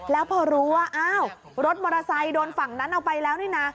แล้วพอรู้ว่าอ้าวรถมอเตอร์ไซค์โดนฝั่งนั้นเอาไปแล้วนี่นะ